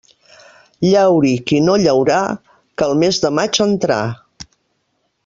Llauri qui no llaurà, que el mes de maig entrà.